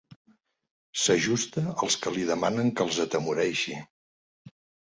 S'ajusta als que li demanen que els atemoreixi.